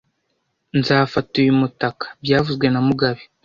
Nzafata uyu mutaka byavuzwe na mugabe